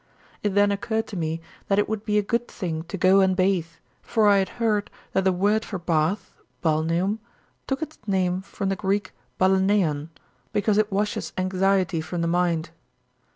It then occurred to me that it would be a good thing to go and bathe, for I had heard that the word for bath [balneum] took its name from the Greek balaneion, because it washes anxiety from the mind.